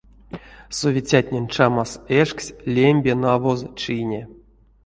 Совицятнень чамас эшксь лембе навоз чине.